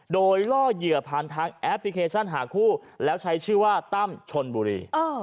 โดยล่อเหยื่อผ่านทางแอปพลิเคชันหาคู่แล้วใช้ชื่อว่าตั้มชนบุรี